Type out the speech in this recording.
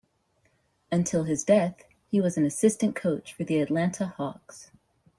Until his death, he was an assistant coach for the Atlanta Hawks.